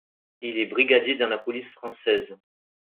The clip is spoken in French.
Il est brigadier dans la police française.